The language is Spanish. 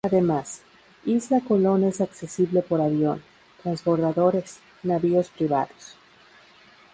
Además, isla Colón es accesible por avión, transbordadores, navíos privados.